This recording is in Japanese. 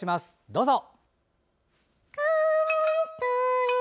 どうぞ。